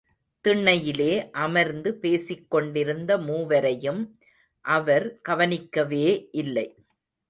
திண்ணையிலே அமர்ந்து பேசிக் கொண்டிருந்த மூவரையும் அவர் கவனிக்கவே இல்லை.